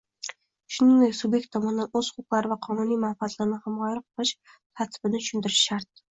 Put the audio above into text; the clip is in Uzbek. shuningdek subyekt tomonidan o‘z huquqlari va qonuniy manfaatlarini himoya qilish tartibini tushuntirishi shart.